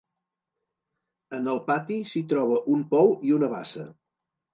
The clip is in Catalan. En el pati s'hi troba un pou i una bassa.